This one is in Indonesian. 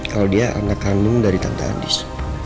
kalau dia anak kandung dari tata andis